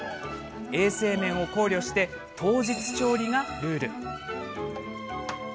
衛生面を考慮して当日調理がルール。